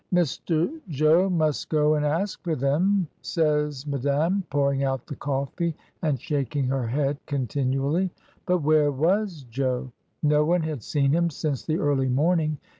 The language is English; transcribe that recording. "Mr. Jo must go and ask for them," says Ma dame, pouring out the coffee, and shaking her head continually. But where was Jo? No one had seen him since the early morning.